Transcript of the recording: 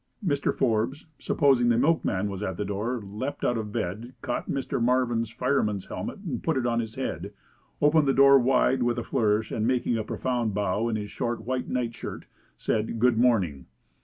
Mr. Forbes, supposing the milkman was at the door, leaped out of bed, caught Mr. Marvin's fireman's helmet and put it on his head, opened the door wide with a flourish and making a profound bow in his short white night shirt said, "Good morning."